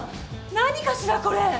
何かしらこれ！